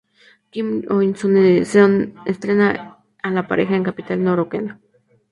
Kim Hyon-son entrena a la pareja en la capital norcoreana.